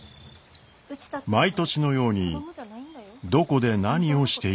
毎年のようにどこで何をしているのか。